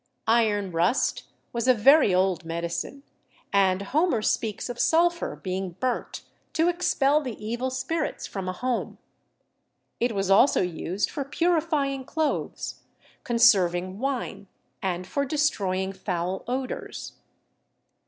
Iron rust was a very old medicine; and Homer 22 CHEMISTRY speaks of sulphur being burnt to expel the evil spirits from a home. It was also used for purifying clothes, conserv ing wine and for destroying foul odors.